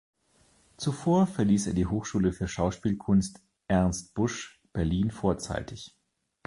Zuvor verließ er die Hochschule für Schauspielkunst „Ernst Busch“ Berlin vorzeitig.